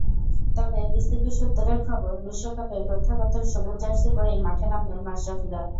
তবে বিসিবিসূত্রের খবর, বিশ্বকাপে প্রথাগত সবুজ জার্সি পরেই মাঠে নামবেন মাশরাফিরা।